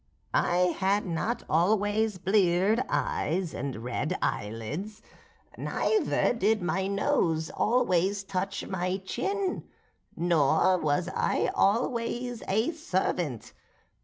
"I had not always bleared eyes and red eyelids; neither did my nose always touch my chin; nor was I always a servant.